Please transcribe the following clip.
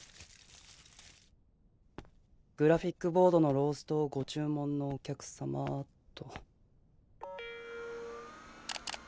グラフィックボードのローストをご注文のお客様と。